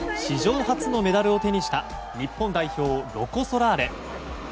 史上初のメダルを手にした日本代表、ロコ・ソラーレ。